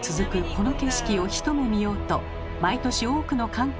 この景色を一目見ようと毎年多くの観光客が訪れるそうです。